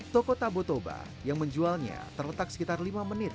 toko tabo toba yang menjualnya terletak sekitar lima menit